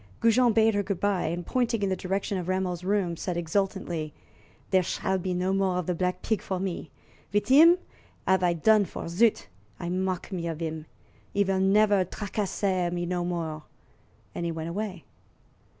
Goujon bade her good by, and, pointing in the direction of Rameau's rooms, said exultantly: "Dere shall be no more of the black pig for me; vit 'im I 'ave done for. Zut! I mock me of 'im! 'E vill never tracasser me no more." And he went away.